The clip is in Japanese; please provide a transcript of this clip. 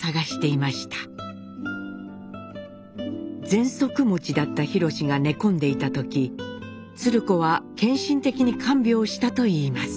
ぜんそく持ちだった廣が寝込んでいた時鶴子は献身的に看病したといいます。